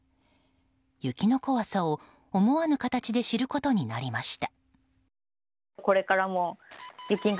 雪の怖さを思わぬ形で知ることになりました。